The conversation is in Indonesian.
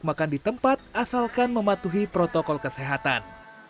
makan di tempat asalkan mematuhi protokol kesehatan